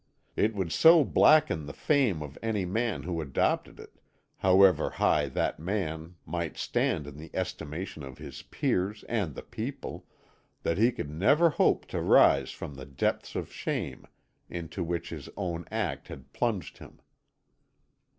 It would so blacken the fame of any man who adopted it, however high that man might stand in the estimation of his peers and the people, that he could never hope to rise from the depths of shame into which his own act had plunged him.